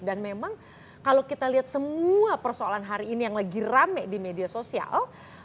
dan memang kalau kita lihat semua persoalan hari ini yang lagi rame di media sosial